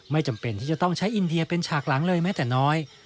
ไม่จำเป็นที่จะต้องใช้อินเดียเป็นฉากหลังเลยแม้แต่น้อย